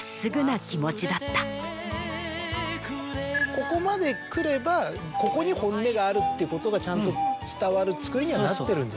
ここまで来ればここに本音があるってことがちゃんと伝わる作りにはなってるんですよね。